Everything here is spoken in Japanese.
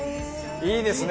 いいですね！